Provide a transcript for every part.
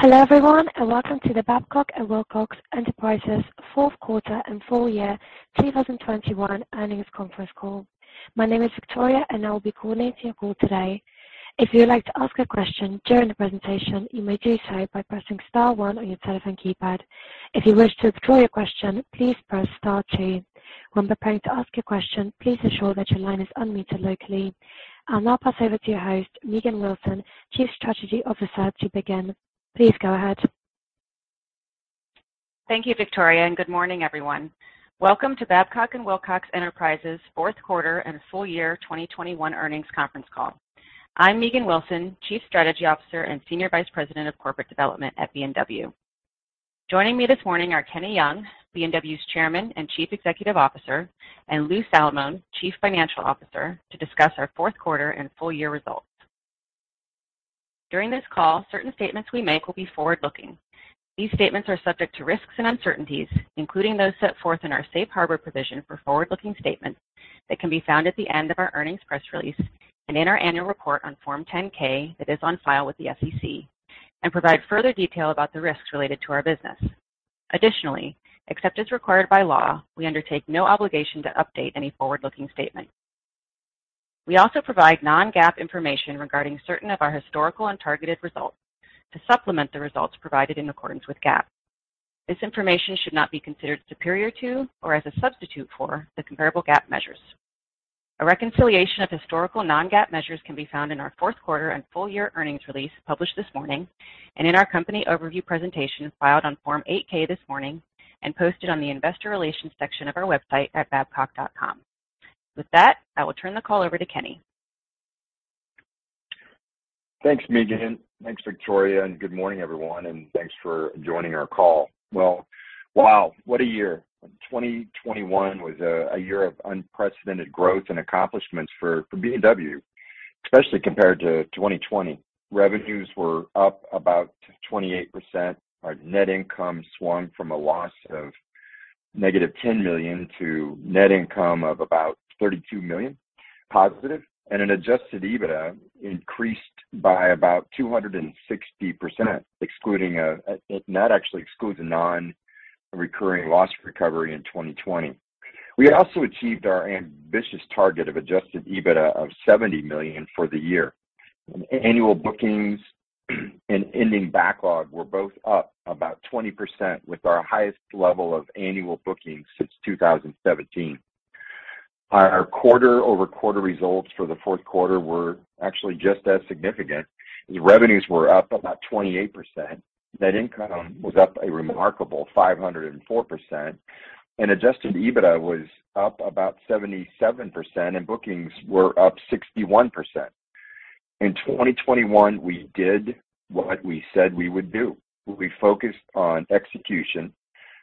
Hello, everyone, and welcome to the Babcock & Wilcox Enterprises fourth quarter and full year 2021 earnings conference call. My name is Victoria, and I will be coordinating your call today. If you'd like to ask a question during the presentation, you may do so by pressing star one on your telephone keypad. If you wish to withdraw your question, please press star two. When preparing to ask your question, please ensure that your line is unmuted locally. I'll now pass over to your host, Megan Wilson, Chief Strategy Officer, to begin. Please go ahead. Thank you, Victoria, and good morning, everyone. Welcome to Babcock & Wilcox Enterprises fourth quarter and full year 2021 earnings conference call. I'm Megan Wilson, Chief Strategy Officer and Senior Vice President of Corporate Development at B&W. Joining me this morning are Kenny Young, B&W's Chairman and Chief Executive Officer, and Lou Salamone, Chief Financial Officer, to discuss our fourth quarter and full year results. During this call, certain statements we make will be forward-looking. These statements are subject to risks and uncertainties, including those set forth in our safe harbor provision for forward-looking statements that can be found at the end of our earnings press release and in our annual report on Form 10-K that is on file with the SEC and provide further detail about the risks related to our business. Additionally, except as required by law, we undertake no obligation to update any forward-looking statement. We also provide non-GAAP information regarding certain of our historical and targeted results to supplement the results provided in accordance with GAAP. This information should not be considered superior to or as a substitute for the comparable GAAP measures. A reconciliation of historical non-GAAP measures can be found in our fourth quarter and full year earnings release published this morning and in our company overview presentation filed on Form 8-K this morning and posted on the investor relations section of our website at babcock.com. With that, I will turn the call over to Kenny. Thanks, Megan. Thanks, Victoria, and good morning, everyone, and thanks for joining our call. Well, wow, what a year. 2021 was a year of unprecedented growth and accomplishments for B&W, especially compared to 2020. Revenues were up about 28%. Our net income swung from a loss of -$10 million to net income of about $32 million. Our Adjusted EBITDA increased by about 260%, excluding non-recurring loss recovery in 2020. We also achieved our ambitious target of Adjusted EBITDA of $70 million for the year. Annual bookings and ending backlog were both up about 20% with our highest level of annual bookings since 2017. Our quarter-over-quarter results for the fourth quarter were actually just as significant. Revenues were up about 28%. Net income was up a remarkable 504%. Adjusted EBITDA was up about 77%, and bookings were up 61%. In 2021, we did what we said we would do. We focused on execution.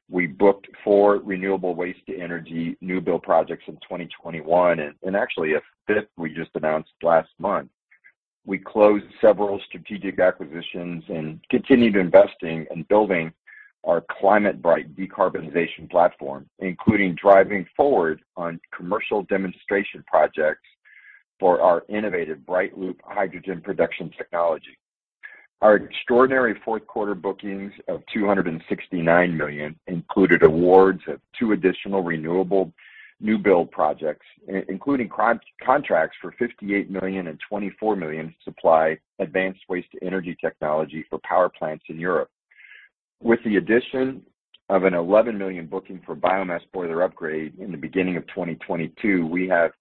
We booked four renewable waste to energy new build projects in 2021, and actually a fifth we just announced last month. We closed several strategic acquisitions and continued investing in building our ClimateBright decarbonization platform, including driving forward on commercial demonstration projects for our innovative BrightLoop hydrogen production technology. Our extraordinary fourth quarter bookings of $269 million included awards of two additional renewable new build projects, including contracts for $58 million and $24 million to supply advanced waste to energy technology for power plants in Europe. With the addition of an $11 million booking for biomass boiler upgrade in the beginning of 2022, we have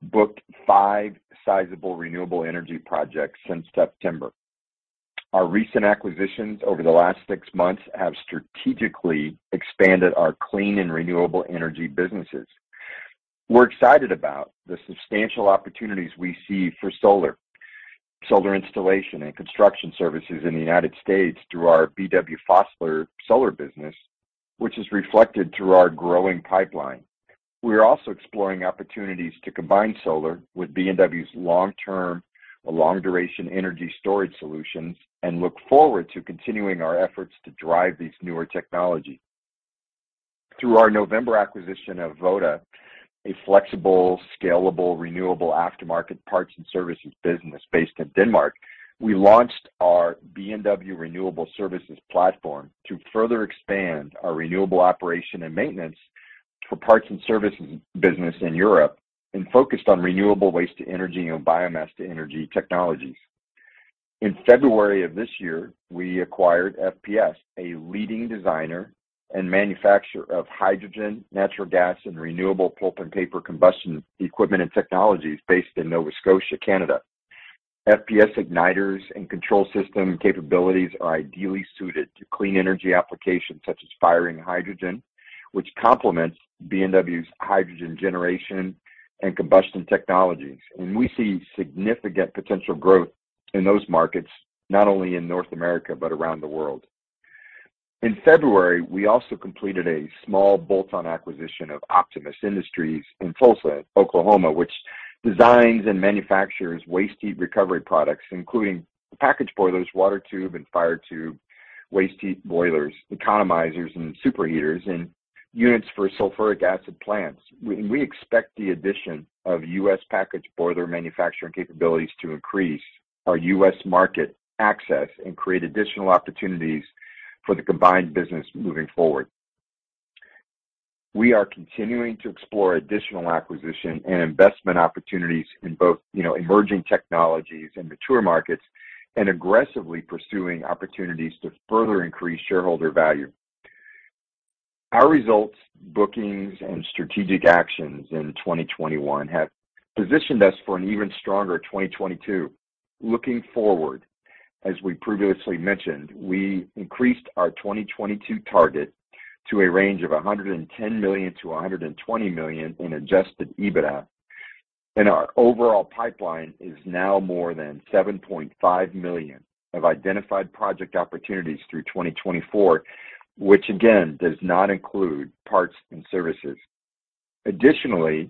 booked five sizable renewable energy projects since September. Our recent acquisitions over the last six months have strategically expanded our clean and renewable energy businesses. We're excited about the substantial opportunities we see for solar installation and construction services in the United States through our BW Fosler Solar business, which is reflected through our growing pipeline. We are also exploring opportunities to combine solar with B&W's long-term or long duration energy storage solutions and look forward to continuing our efforts to drive these newer technology. Through our November acquisition of VODA, a flexible, scalable, renewable aftermarket parts and services business based in Denmark, we launched our B&W Renewable Services platform to further expand our renewable operation and maintenance for parts and service business in Europe and focused on renewable waste to energy and biomass to energy technologies. In February of this year, we acquired FPS, a leading designer and manufacturer of hydrogen, natural gas, and renewable pulp and paper combustion equipment and technologies based in Nova Scotia, Canada. FPS igniters and control system capabilities are ideally suited to clean energy applications such as firing hydrogen, which complements B&W's hydrogen generation and combustion technologies. We see significant potential growth in those markets, not only in North America, but around the world. In February, we also completed a small bolt-on acquisition of Optimus Industries in Tulsa, Oklahoma, which designs and manufactures waste heat recovery products, including package boilers, water tube and fire tube waste heat boilers, economizers and superheaters and units for sulfuric acid plants. We expect the addition of U.S. packaged boiler manufacturing capabilities to increase our U.S. market access and create additional opportunities for the combined business moving forward. We are continuing to explore additional acquisition and investment opportunities in both, you know, emerging technologies and mature markets, and aggressively pursuing opportunities to further increase shareholder value. Our results, bookings, and strategic actions in 2021 have positioned us for an even stronger 2022. Looking forward, as we previously mentioned, we increased our 2022 target to a range of $110 million-$120 million in Adjusted EBITDA, and our overall pipeline is now more than $7.5 million of identified project opportunities through 2024, which again, does not include parts and services. Additionally,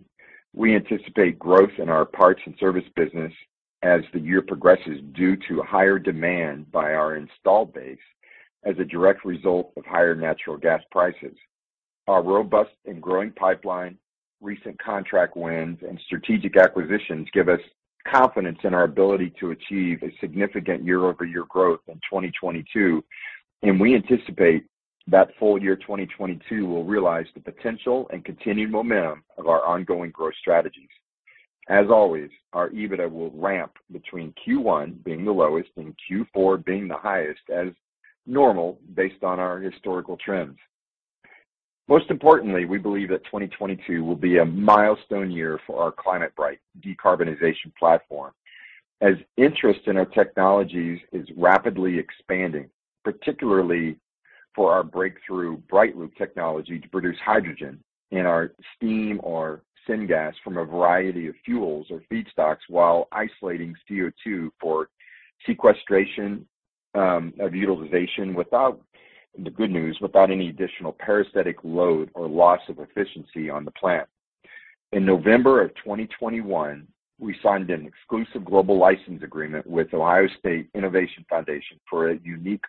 we anticipate growth in our parts and service business as the year progresses due to higher demand by our installed base as a direct result of higher natural gas prices. Our robust and growing pipeline, recent contract wins, and strategic acquisitions give us confidence in our ability to achieve a significant year-over-year growth in 2022, and we anticipate that full year 2022 will realize the potential and continued momentum of our ongoing growth strategies. As always, our EBITDA will ramp between Q1 being the lowest and Q4 being the highest as normal based on our historical trends. Most importantly, we believe that 2022 will be a milestone year for our ClimateBright decarbonization platform as interest in our technologies is rapidly expanding, particularly for our breakthrough BrightLoop technology to produce hydrogen and/or steam or syngas from a variety of fuels or feedstocks while isolating CO2 for sequestration or utilization without, and the good news, without any additional parasitic load or loss of efficiency on the plant. In November 2021, we signed an exclusive global license agreement with Ohio State Innovation Foundation for a unique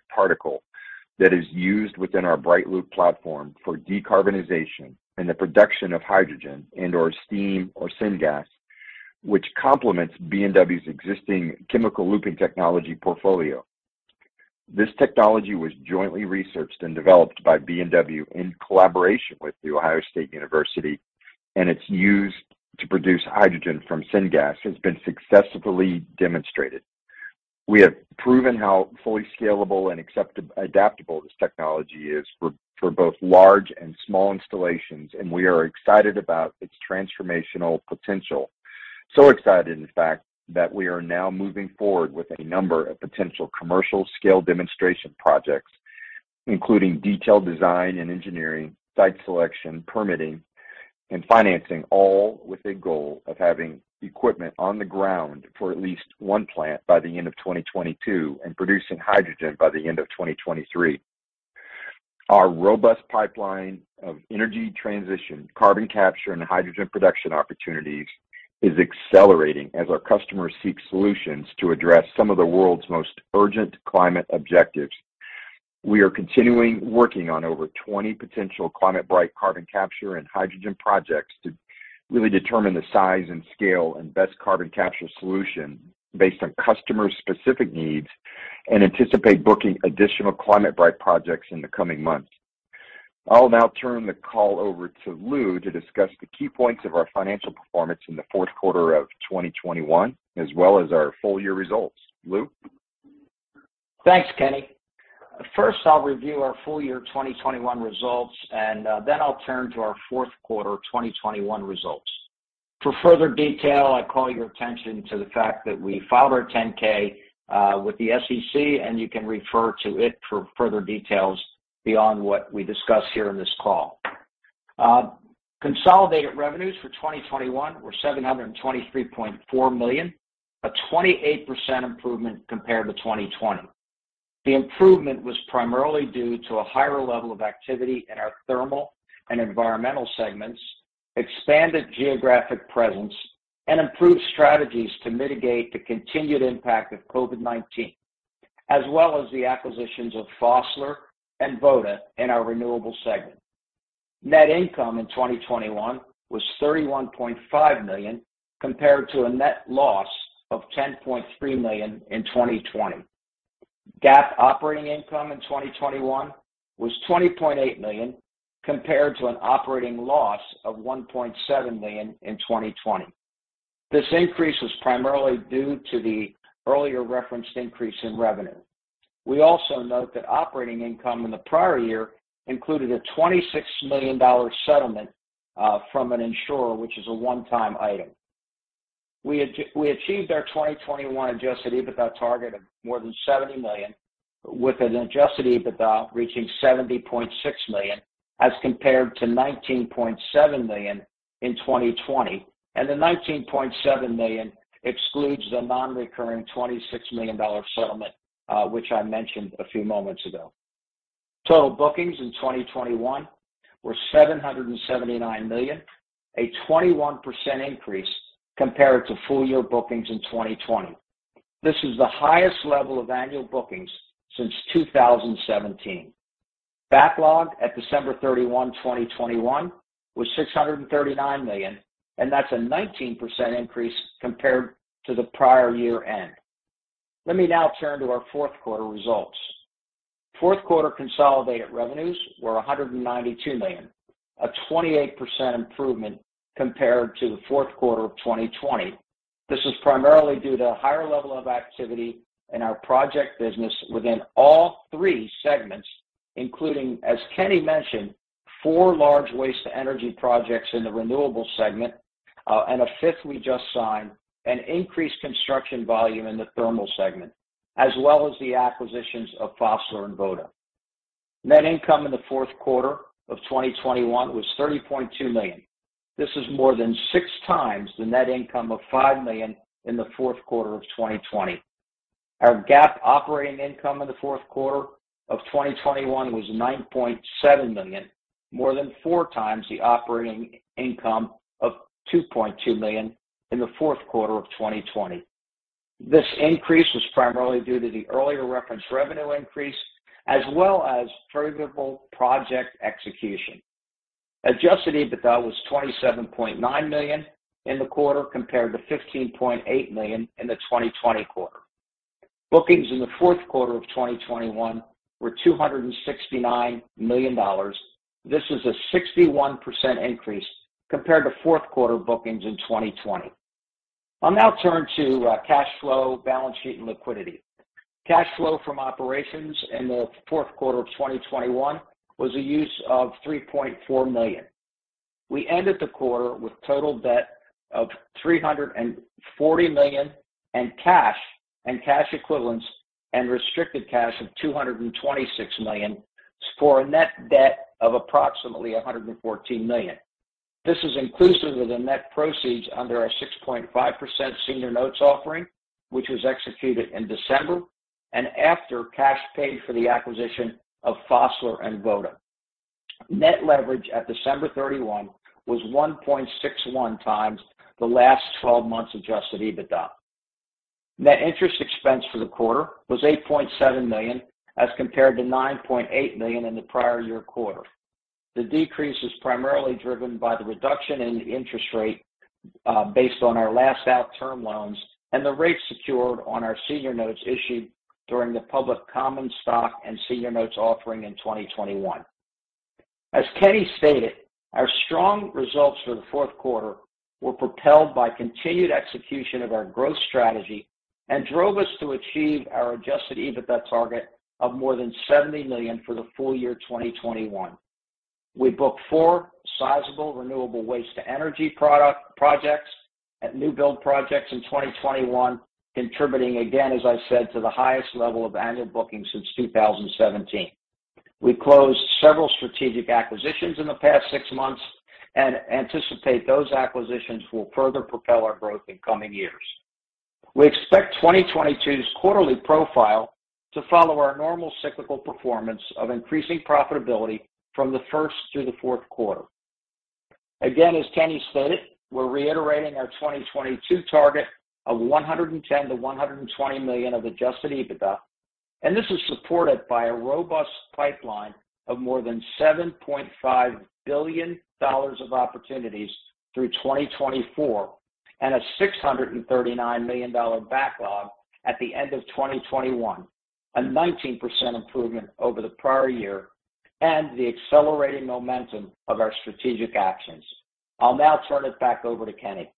particle that is used within our BrightLoop platform for decarbonization and the production of hydrogen and/or steam or syngas, which complements B&W's existing chemical looping technology portfolio. This technology was jointly researched and developed by B&W in collaboration with The Ohio State University, and its use to produce hydrogen from syngas has been successfully demonstrated. We have proven how fully scalable and adaptable this technology is for both large and small installations, and we are excited about its transformational potential. Excited, in fact, that we are now moving forward with a number of potential commercial scale demonstration projects, including detailed design and engineering, site selection, permitting, and financing, all with a goal of having equipment on the ground for at least one plant by the end of 2022 and producing hydrogen by the end of 2023. Our robust pipeline of energy transition, carbon capture, and hydrogen production opportunities is accelerating as our customers seek solutions to address some of the world's most urgent climate objectives. We are continuing working on over 20 potential ClimateBright carbon capture and hydrogen projects to really determine the size and scale and best carbon capture solution based on customer-specific needs and anticipate booking additional ClimateBright projects in the coming months. I'll now turn the call over to Lou to discuss the key points of our financial performance in the fourth quarter of 2021, as well as our full year results. Lou? Thanks, Kenny. First, I'll review our full year 2021 results, and then I'll turn to our fourth quarter 2021 results. For further detail, I call your attention to the fact that we filed our Form 10-K with the SEC, and you can refer to it for further details beyond what we discuss here in this call. Consolidated revenues for 2021 were $723.4 million, a 28% improvement compared to 2020. The improvement was primarily due to a higher level of activity in our thermal and environmental segments, expanded geographic presence, and improved strategies to mitigate the continued impact of COVID-19, as well as the acquisitions of Fosler and VODA in our renewables segment. Net income in 2021 was $31.5 million, compared to a net loss of $10.3 million in 2020. GAAP operating income in 2021 was $20.8 million, compared to an operating loss of $1.7 million in 2020. This increase was primarily due to the earlier referenced increase in revenue. We also note that operating income in the prior year included a $26 million settlement from an insurer, which is a one-time item. We achieved our 2021 Adjusted EBITDA target of more than $70 million, with an Adjusted EBITDA reaching $70.6 million as compared to $19.7 million in 2020, and the $19.7 million excludes the non-recurring $26 million settlement, which I mentioned a few moments ago. Total bookings in 2021 were $779 million, a 21% increase compared to full year bookings in 2020. This is the highest level of annual bookings since 2017. Backlog at December 31, 2021 was $639 million, and that's a 19% increase compared to the prior year-end. Let me now turn to our fourth quarter results. Fourth quarter consolidated revenues were $192 million, a 28% improvement compared to the fourth quarter of 2020. This is primarily due to a higher level of activity in our project business within all three segments, including, as Kenny mentioned, four large waste-to-energy projects in the renewables segment, and a fifth we just signed, an increased construction volume in the thermal segment, as well as the acquisitions of Fosler and VODA. Net income in the fourth quarter of 2021 was $30.2 million. This is more than six times the net income of $5 million in the fourth quarter of 2020. Our GAAP operating income in the fourth quarter of 2021 was $9.7 million, more than four times the operating income of $2.2 million in the fourth quarter of 2020. This increase was primarily due to the earlier referenced revenue increase as well as favorable project execution. Adjusted EBITDA was $27.9 million in the quarter, compared to $15.8 million in the 2020 quarter. Bookings in the fourth quarter of 2021 were $269 million. This is a 61% increase compared to fourth quarter bookings in 2020. I'll now turn to cash flow, balance sheet, and liquidity. Cash flow from operations in the fourth quarter of 2021 was a use of $3.4 million. We ended the quarter with total debt of $340 million, and cash and cash equivalents and restricted cash of $226 million, for a net debt of approximately $114 million. This is inclusive of the net proceeds under our 6.5% senior notes offering, which was executed in December and after cash paid for the acquisition of Fosler and VODA. Net leverage at December 31 was 1.61x the last 12 months Adjusted EBITDA. Net interest expense for the quarter was $8.7 million as compared to $9.8 million in the prior year quarter. The decrease is primarily driven by the reduction in interest rate based on our last-out term loans and the rates secured on our senior notes issued during the public common stock and senior notes offering in 2021. As Kenny stated, our strong results for the fourth quarter were propelled by continued execution of our growth strategy and drove us to achieve our Adjusted EBITDA target of more than $70 million for the full year 2021. We booked four sizable renewable waste-to-energy products at new build projects in 2021, contributing again, as I said, to the highest level of annual bookings since 2017. We closed several strategic acquisitions in the past six months and anticipate those acquisitions will further propel our growth in coming years. We expect 2022's quarterly profile to follow our normal cyclical performance of increasing profitability from the first through the fourth quarter. Again, as Kenny stated, we're reiterating our 2022 target of $110 million-$120 million of Adjusted EBITDA, and this is supported by a robust pipeline of more than $7.5 billion of opportunities through 2024 and a $639 million backlog at the end of 2021, a 19% improvement over the prior year and the accelerating momentum of our strategic actions. I'll now turn it back over to Kenny.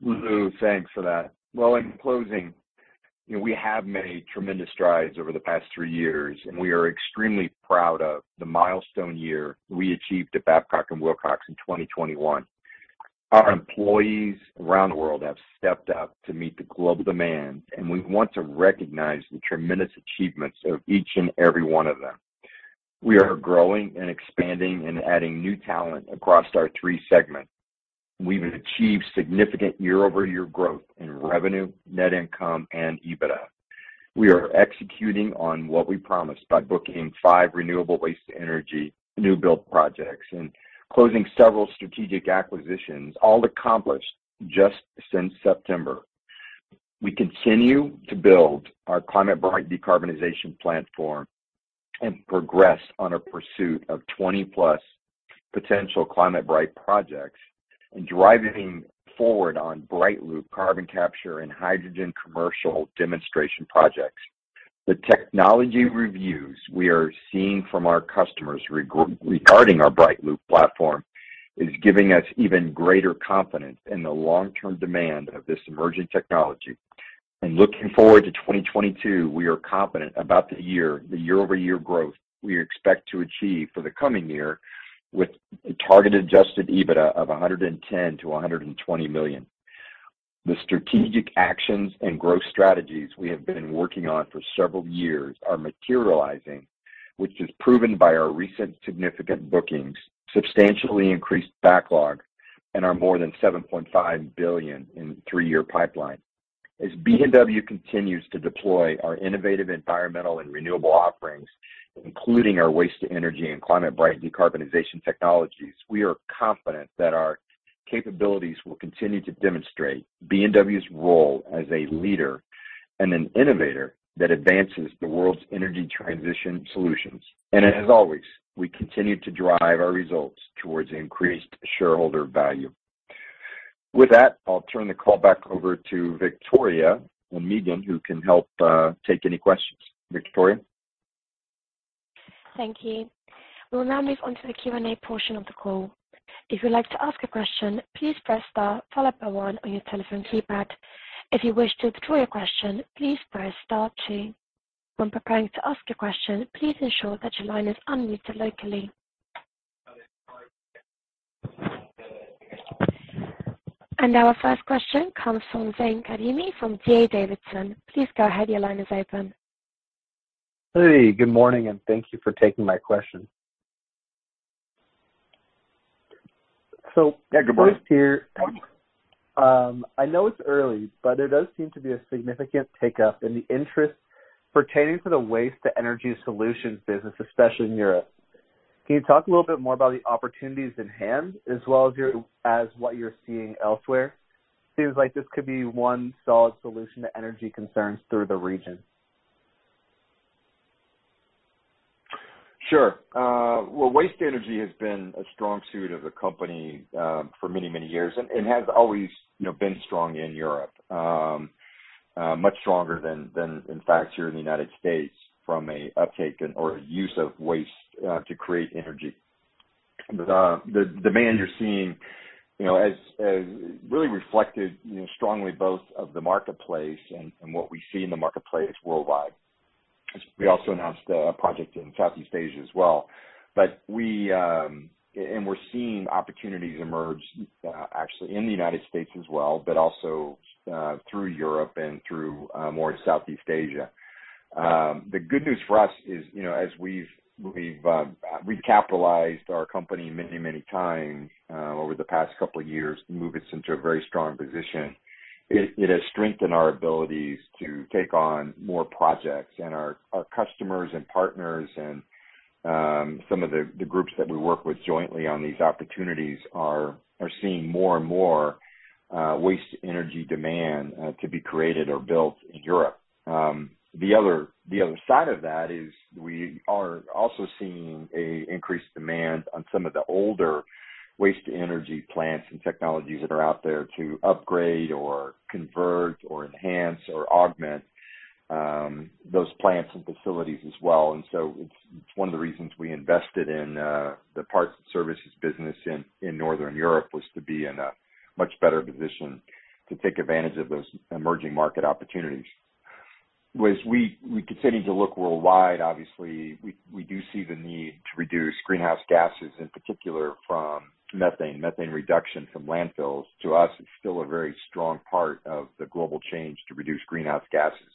Lou, thanks for that. Well, in closing, you know, we have made tremendous strides over the past three years, and we are extremely proud of the milestone year we achieved at Babcock & Wilcox in 2021. Our employees around the world have stepped up to meet the global demand, and we want to recognize the tremendous achievements of each and every one of them. We are growing and expanding and adding new talent across our three segments. We've achieved significant year-over-year growth in revenue, net income and EBITDA. We are executing on what we promised by booking five renewable waste-to-energy new build projects and closing several strategic acquisitions, all accomplished just since September. We continue to build our ClimateBright decarbonization platform and progress on a pursuit of 20+ potential ClimateBright projects and driving forward on BrightLoop carbon capture and hydrogen commercial demonstration projects. The technology reviews we are seeing from our customers regarding our BrightLoop platform is giving us even greater confidence in the long-term demand of this emerging technology. Looking forward to 2022, we are confident about the year, the year-over-year growth we expect to achieve for the coming year with a targeted Adjusted EBITDA of $110 million-$120 million. The strategic actions and growth strategies we have been working on for several years are materializing, which is proven by our recent significant bookings, substantially increased backlog, and more than $7.5 billion in three-year pipeline. As B&W continues to deploy our innovative environmental and renewable offerings, including our waste to energy and ClimateBright decarbonization technologies, we are confident that our capabilities will continue to demonstrate B&W's role as a leader and an innovator that advances the world's energy transition solutions. As always, we continue to drive our results towards increased shareholder value. With that, I'll turn the call back over to Victoria, moderator who can help take any questions. Victoria? Thank you. We'll now move on to the Q and A portion of the call. If you'd like to ask a question, please press star followed by one on your telephone keypad. If you wish to withdraw your question, please press star two. When preparing to ask a question, please ensure that your line is unmuted locally. Our first question comes from Zane Karimi from D.A. Davidson. Please go ahead. Your line is open. Hey, good morning, and thank you for taking my question. Yeah, good morning. First here, I know it's early, but there does seem to be a significant uptake in the interest pertaining to the waste-to-energy solutions business, especially in Europe. Can you talk a little bit more about the opportunities in hand as well as what you're seeing elsewhere? Seems like this could be one solid solution to energy concerns throughout the region. Sure. Well, waste energy has been a strong suit of the company for many, many years. It has always, you know, been strong in Europe. Much stronger than in fact here in the United States from a uptake in or use of waste to create energy. The demand you're seeing, you know, is really reflected, you know, strongly both of the marketplace and what we see in the marketplace worldwide. We also announced a project in Southeast Asia as well. We're seeing opportunities emerge, actually, in the United States as well, but also through Europe and through more Southeast Asia. The good news for us is, you know, as we've recapitalized our company many times over the past couple of years to move us into a very strong position. It has strengthened our abilities to take on more projects and our customers and partners and some of the groups that we work with jointly on these opportunities are seeing more and more waste energy demand to be created or built in Europe. The other side of that is we are also seeing an increased demand on some of the older waste energy plants and technologies that are out there to upgrade or convert or enhance or augment those plants and facilities as well. It's one of the reasons we invested in the parts and services business in Northern Europe, was to be in a much better position to take advantage of those emerging market opportunities. As we continue to look worldwide, obviously, we do see the need to reduce greenhouse gases, in particular from methane reduction from landfills. To us, it's still a very strong part of the global change to reduce greenhouse gases.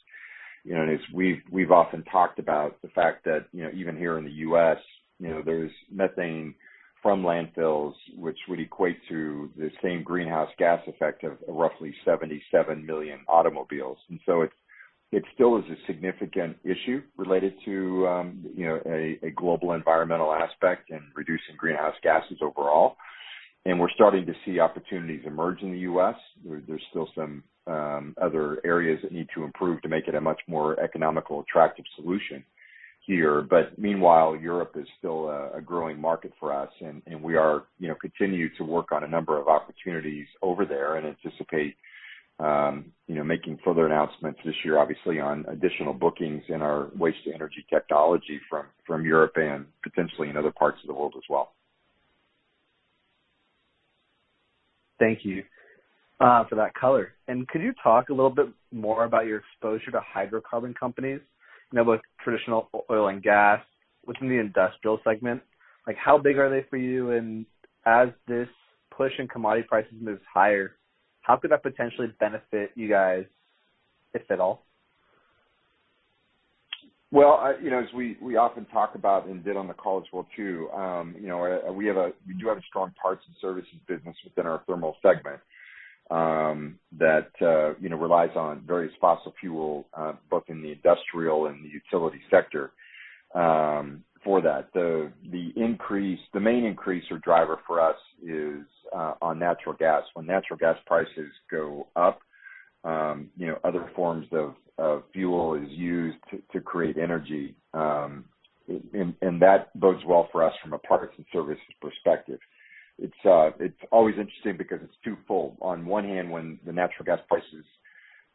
You know, as we've often talked about the fact that, you know, even here in the U.S., you know, there's methane from landfills, which would equate to the same greenhouse gas effect of roughly 77 million automobiles. It still is a significant issue related to, you know, a global environmental aspect and reducing greenhouse gases overall. We're starting to see opportunities emerge in the U.S. There, there's still some other areas that need to improve to make it a much more economical, attractive solution here. Meanwhile, Europe is still a growing market for us, and we are, you know, continue to work on a number of opportunities over there and anticipate, you know, making further announcements this year, obviously on additional bookings in our waste to energy technology from Europe and potentially in other parts of the world as well. Thank you for that color. Could you talk a little bit more about your exposure to hydrocarbon companies? You know, both traditional oil and gas within the industrial segment? Like, how big are they for you? As this push in commodity prices moves higher, how could that potentially benefit you guys, if at all? Well, you know, as we often talk about and did on the calls before too, you know, we do have a strong parts and services business within our thermal segment that you know relies on various fossil fuel both in the industrial and the utility sector for that. The main increase or driver for us is on natural gas. When natural gas prices go up, you know, other forms of fuel is used to create energy. And that bodes well for us from a parts and services perspective. It's always interesting because it's two-fold. On one hand, when the natural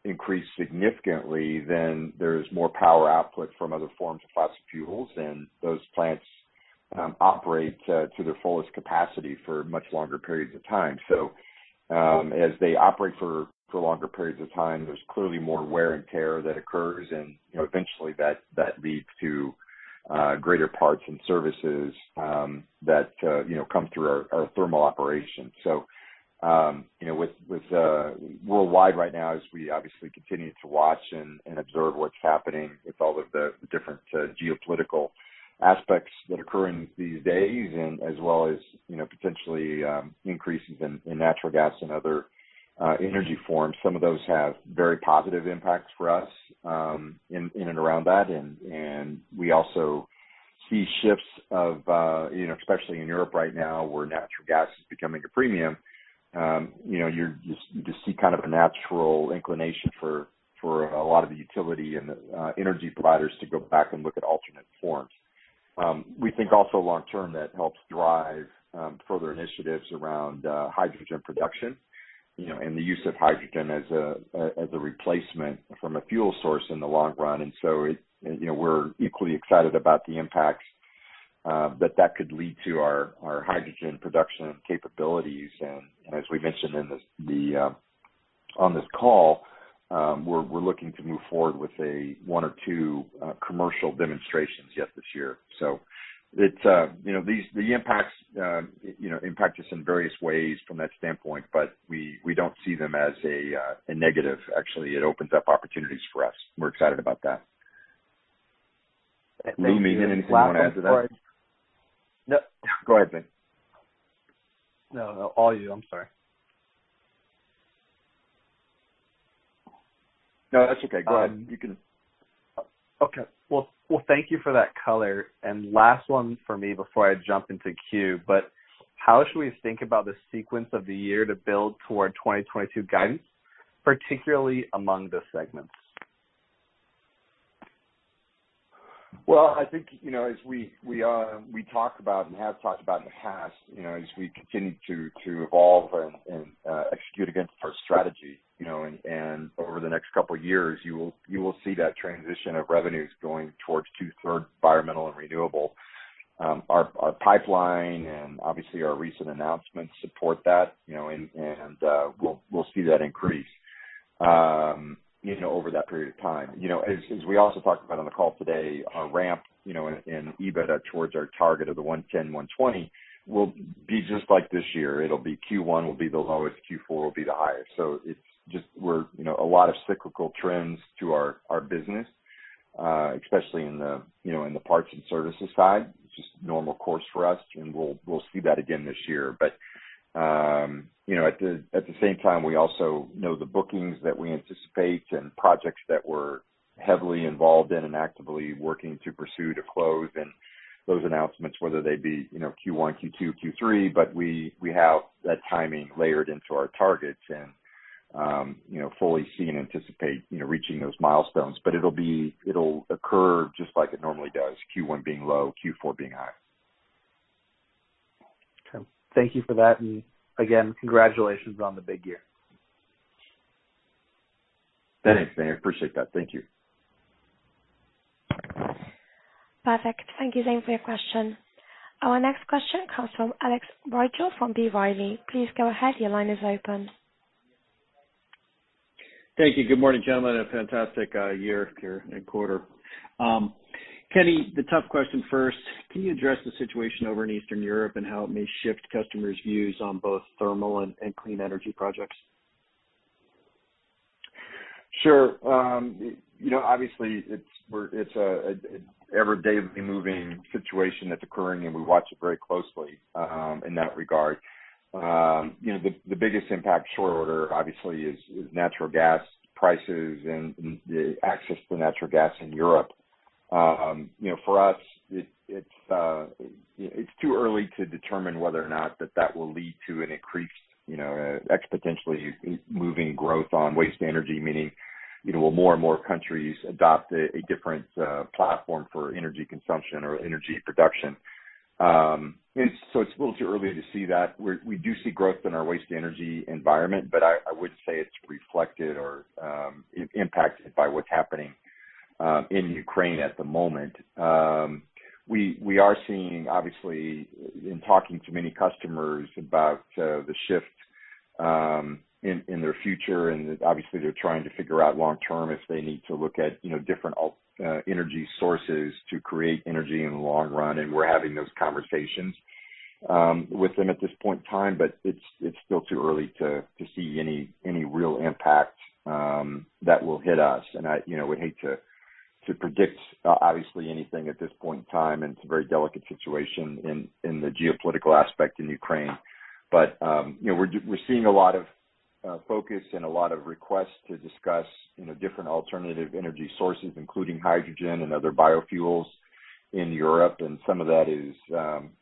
gas prices increase significantly, then there's more power output from other forms of fossil fuels, and those plants operate to their fullest capacity for much longer periods of time. As they operate for longer periods of time, there's clearly more wear and tear that occurs and, you know, eventually that leads to greater parts and services that you know come through our thermal operation. You know, with worldwide right now as we obviously continue to watch and observe what's happening with all of the different geopolitical aspects that occur in these days, and as well as, you know, potentially increases in natural gas and other energy forms. Some of those have very positive impacts for us in and around that. We also see shifts of, you know, especially in Europe right now, where natural gas is becoming a premium, you know, you just see kind of a natural inclination for a lot of the utility and the energy providers to go back and look at alternate forms. We think also long term that helps drive further initiatives around hydrogen production, you know, and the use of hydrogen as a replacement from a fuel source in the long run. We're equally excited about the impacts that could lead to our hydrogen production capabilities. As we mentioned on this call, we're looking to move forward with one or two commercial demonstrations yet this year. It's these impacts impact us in various ways from that standpoint, but we don't see them as a negative. Actually, it opens up opportunities for us. We're excited about that. Lou, you have anything you wanna add to that? No. Go ahead, Zane. No, no. All you. I'm sorry. No, that's okay. Go ahead. You can. Okay. Well, thank you for that color. Last one for me before I jump into queue, but how should we think about the sequence of the year to build toward 2022 guidance, particularly among the segments? Well, I think, you know, as we talked about and have talked about in the past, you know, as we continue to evolve and execute against our strategy, you know, and over the next couple of years, you will see that transition of revenues going towards two-thirds environmental and renewable. Our pipeline and obviously our recent announcements support that, you know, and we'll see that increase, you know, over that period of time. You know, as we also talked about on the call today, our ramp in EBITDA towards our target of $110 million-$120 million will be just like this year. It'll be Q1 will be the lowest, Q4 will be the highest. It's just we're, you know, a lot of cyclical trends to our business, especially in the parts and services side. Just normal course for us, and we'll see that again this year. At the same time, we also know the bookings that we anticipate and projects that we're heavily involved in and actively working to pursue to close. Those announcements, whether they be, you know, Q1, Q2, Q3, but we have that timing layered into our targets, and fully see and anticipate, you know, reaching those milestones. It'll be. It'll occur just like it normally does. Q1 being low, Q4 being high. Okay. Thank you for that. Again, congratulations on the big year. Thanks, Zane. I appreciate that. Thank you. Perfect. Thank you, Zane, for your question. Our next question comes from Alex Rygiel from B. Riley. Please go ahead. Your line is open. Thank you. Good morning, gentlemen, and a fantastic year here and quarter. Kenny, the tough question first. Can you address the situation over in Eastern Europe and how it may shift customers' views on both thermal and clean energy projects? Sure. You know, obviously it's a everyday moving situation that's occurring, and we watch it very closely in that regard. You know, the biggest impact in short order obviously is natural gas prices and the access to natural gas in Europe. You know, for us, it's too early to determine whether or not that will lead to an increased you know exponentially moving growth on waste energy, meaning you know will more and more countries adopt a different platform for energy consumption or energy production. It's a little too early to see that. We do see growth in our waste energy environment, but I wouldn't say it's reflected or impacted by what's happening in Ukraine at the moment. We are seeing, obviously in talking to many customers about the shift in their future, and obviously they're trying to figure out long term if they need to look at, you know, different alternative energy sources to create energy in the long run. We're having those conversations with them at this point in time, but it's still too early to see any real impact that will hit us. I, you know, would hate to predict obviously anything at this point in time, and it's a very delicate situation in the geopolitical aspect in Ukraine. You know, we're seeing a lot of focus and a lot of requests to discuss, you know, different alternative energy sources, including hydrogen and other biofuels in Europe. Some of that is,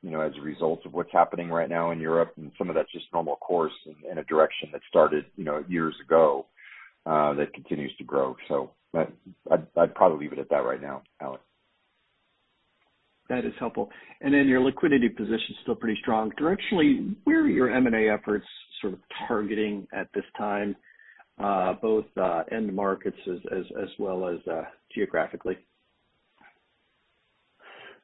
you know, as a result of what's happening right now in Europe, and some of that's just normal course in a direction that started, you know, years ago, that continues to grow. I'd probably leave it at that right now, Alex. That is helpful. Your liquidity position is still pretty strong. Directionally, where are your M&A efforts sort of targeting at this time, both end markets as well as geographically?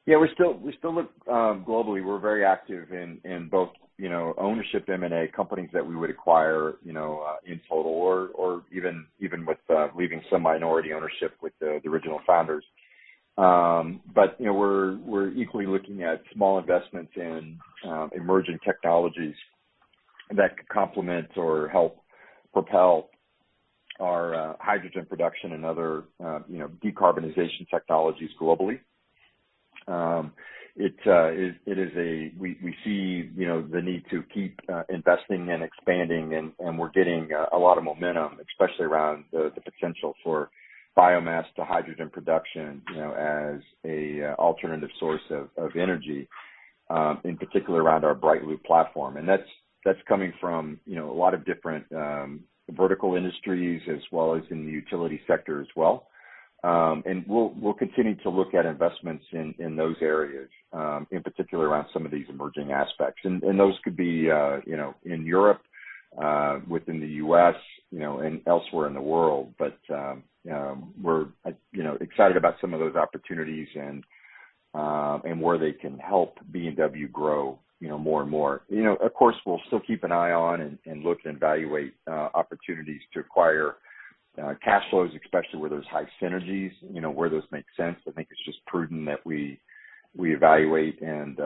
Yeah, we still look globally. We're very active in both, you know, ownership M&A companies that we would acquire, you know, in total or even with leaving some minority ownership with the original founders. You know, we're equally looking at small investments in emerging technologies that could complement or help propel our hydrogen production and other, you know, decarbonization technologies globally. We see, you know, the need to keep investing and expanding and we're getting a lot of momentum, especially around the potential for biomass to hydrogen production, you know, as a alternative source of energy in particular around our BrightLoop platform. That's coming from you know a lot of different vertical industries as well as in the utility sector as well. We'll continue to look at investments in those areas in particular around some of these emerging aspects. Those could be you know in Europe within the U.S. you know and elsewhere in the world. We're you know excited about some of those opportunities and where they can help B&W grow you know more and more. You know of course we'll still keep an eye on and look and evaluate opportunities to acquire cash flows especially where there's high synergies you know where those make sense. I think it's just prudent that we evaluate and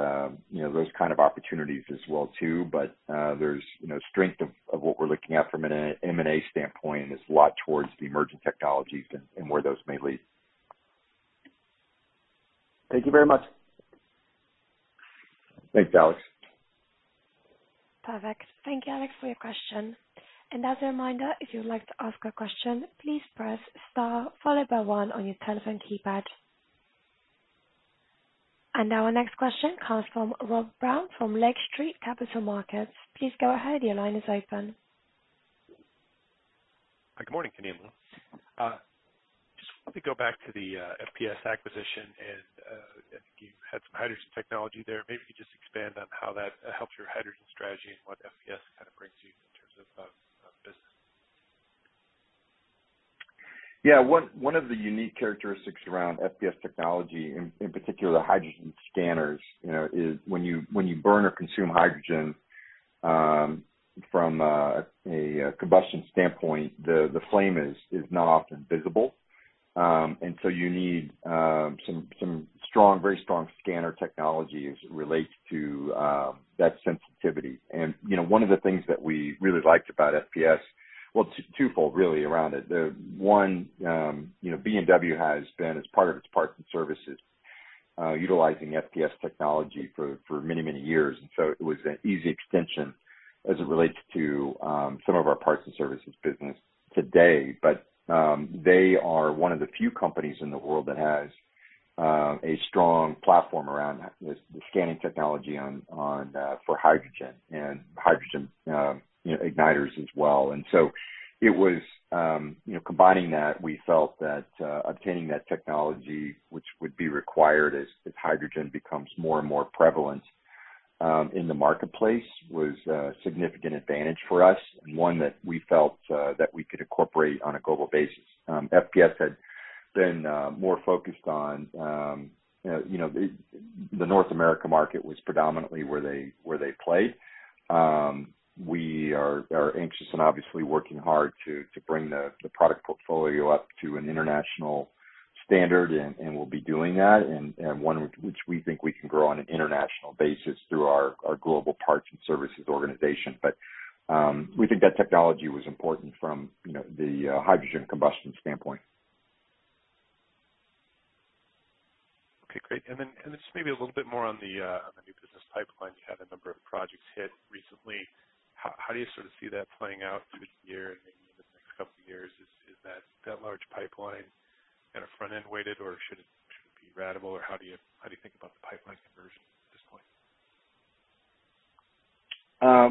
you know those kind of opportunities as well too. there's, you know, strength of what we're looking at from an M&A standpoint, and it's a lot towards the emerging technologies and where those may lead. Thank you very much. Thanks, Alex. Perfect. Thank you, Alex, for your question. As a reminder, if you would like to ask a question, please press star followed by one on your telephone keypad. Our next question comes from Rob Brown from Lake Street Capital Markets. Please go ahead. Your line is open. Good morning, Kenny Young. Just let me go back to the FPS acquisition and you had some hydrogen technology there. Maybe if you could just expand on how that helps your hydrogen strategy and what FPS kind of brings you in terms of business. Yeah. One of the unique characteristics around FPS technology, in particular the hydrogen scanners, you know, is when you burn or consume hydrogen, from a combustion standpoint, the flame is not often visible. You need some strong, very strong scanner technology as it relates to that sensitivity. You know, one of the things that we really liked about FPS. Well, it's twofold really around it. The one, you know, B&W has been as part of its parts and services, utilizing FPS technology for many years. It was an easy extension as it relates to some of our parts and services business today. They are one of the few companies in the world that has a strong platform around the scanning technology on for hydrogen igniters as well. It was, you know, combining that, we felt that obtaining that technology, which would be required as hydrogen becomes more and more prevalent in the marketplace, was a significant advantage for us, and one that we felt that we could incorporate on a global basis. FPS had been more focused on, you know, the North America market was predominantly where they played. We are anxious and obviously working hard to bring the product portfolio up to an international standard, and we'll be doing that, and one which we think we can grow on an international basis through our global parts and services organization. We think that technology was important from, you know, the hydrogen combustion standpoint. Okay, great. This may be a little bit more on the new business pipeline. You had a number of projects hit recently. How do you sort of see that playing out through the year and maybe in the next couple of years? Is that large pipeline kind of front-end weighted, or should it be ratable, or how do you think about the pipeline conversion at this point?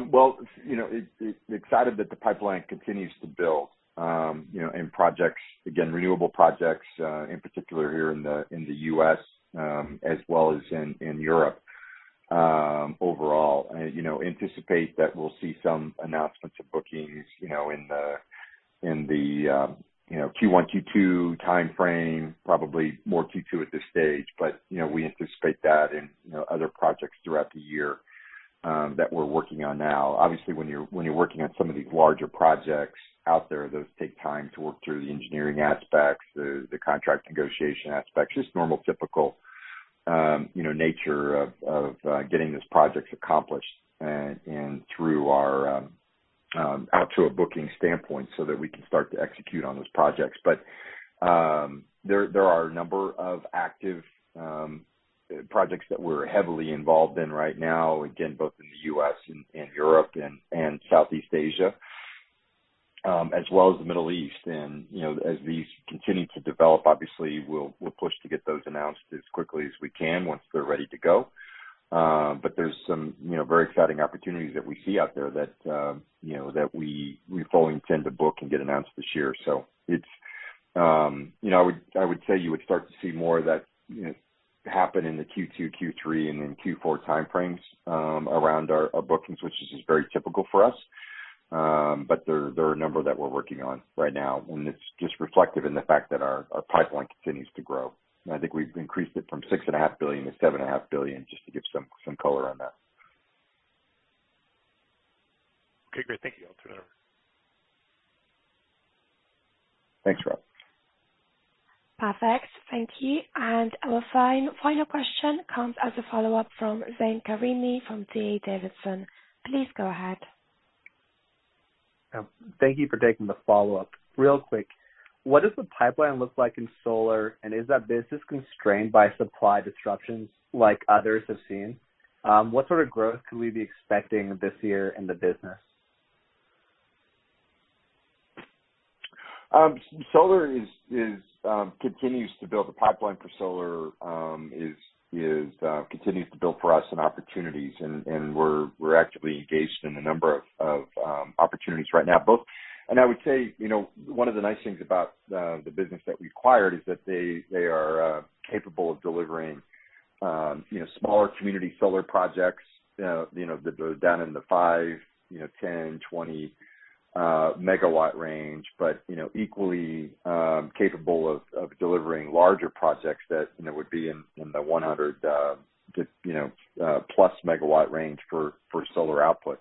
Well, you know, excited that the pipeline continues to build, you know, in projects, again, renewable projects, in particular here in the U.S., as well as in Europe, overall. You know, anticipate that we'll see some announcements of bookings, you know, in the Q1, Q2 timeframe, probably more Q2 at this stage. But, you know, we anticipate that in other projects throughout the year that we're working on now. Obviously, when you're working on some of these larger projects out there, those take time to work through the engineering aspects, the contract negotiation aspects, just normal, typical, you know, nature of getting these projects accomplished and through our out to a booking standpoint so that we can start to execute on those projects. There are a number of active projects that we're heavily involved in right now, again, both in the U.S. and Europe and Southeast Asia, as well as the Middle East. You know, as these continue to develop, obviously we'll push to get those announced as quickly as we can once they're ready to go. There's some, you know, very exciting opportunities that we see out there that, you know, that we fully intend to book and get announced this year. It's, you know, I would say you would start to see more of that, you know, happen in the Q2, Q3, and then Q4 timeframes, around our bookings, which is just very typical for us. There are a number that we're working on right now, and it's just reflective in the fact that our pipeline continues to grow. I think we've increased it from $6.5 billion-$7.5 billion, just to give some color on that. Okay, great. Thank you. I'll turn it over. Thanks, Rob. Perfect. Thank you. Our final question comes as a follow-up from Zane Karimi from D.A. Davidson. Please go ahead. Yeah. Thank you for taking the follow-up. Real quick, what does the pipeline look like in solar, and is that business constrained by supply disruptions like others have seen? What sort of growth can we be expecting this year in the business? Solar continues to build the pipeline for solar opportunities and we're actively engaged in a number of opportunities right now. I would say, you know, one of the nice things about the business that we acquired is that they are capable of delivering, you know, smaller community solar projects, you know, that are down in the five, 10, 20 MW range, but, you know, equally capable of delivering larger projects that, you know, would be in the 100+ MW range for solar output.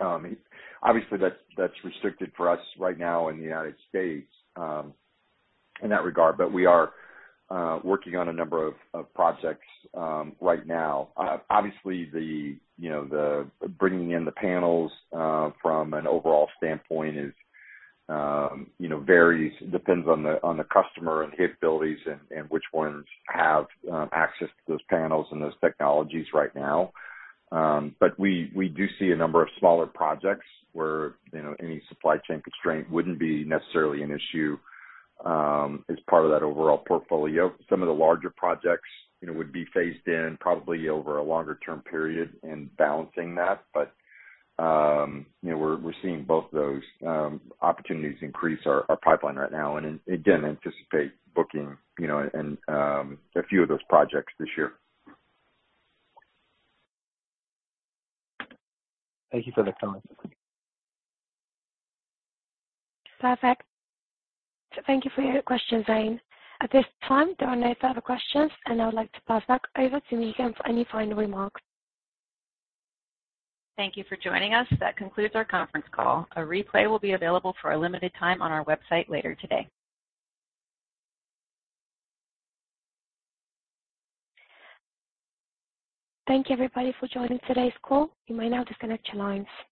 Obviously, that's restricted for us right now in the United States, in that regard, but we are working on a number of projects right now. Obviously the, you know, the bringing in the panels from an overall standpoint is, you know, varies. Depends on the customer and capabilities and which ones have access to those panels and those technologies right now. But we do see a number of smaller projects where, you know, any supply chain constraint wouldn't be necessarily an issue, as part of that overall portfolio. Some of the larger projects, you know, would be phased in probably over a longer-term period in balancing that. you know, we're seeing both those opportunities increase our pipeline right now and again anticipate booking, you know, and a few of those projects this year. Thank you for the comments. Perfect. Thank you for your question, Zane. At this time, there are no further questions, and I would like to pass back over to Megan for any final remarks. Thank you for joining us. That concludes our conference call. A replay will be available for a limited time on our website later today. Thank you, everybody, for joining today's call. You may now disconnect your lines.